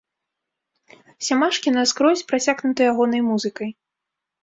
Сямашкі наскрозь прасякнута ягонай музыкай.